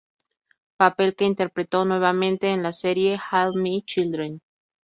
Papel que interpretó nuevamente en la serie All My Children.